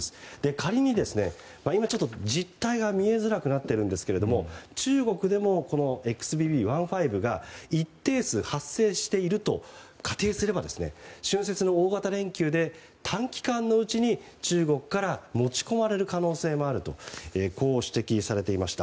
仮にですが今、実態が見えづらくなっていますが中国でもＸＢＢ．１．５が一定数、発生していると仮定すれば、春節の大型連休で短期間のうちに中国から持ち込まれる可能性もあるとこう指摘されていました。